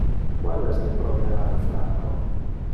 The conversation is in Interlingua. Qual es le problema de Franco?